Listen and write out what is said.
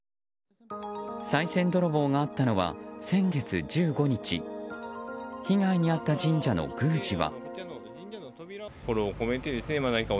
さい銭泥棒があったのは先月１５日被害に遭った神社の宮司は。